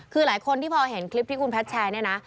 คือหลายคนที่พอเห็นคลิปที่คุณแพทย์แชร์เนี่ยนะ